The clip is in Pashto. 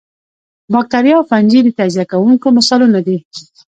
باکتریا او فنجي د تجزیه کوونکو مثالونه دي